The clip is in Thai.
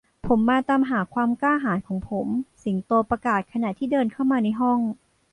ผมมาตามหาความกล้าหาญของผม สิงโตประกาศขณะที่เดินเข้ามาในห้อง